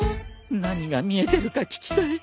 何が見えてるか聞きたい。